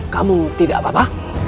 kamu tidak bawa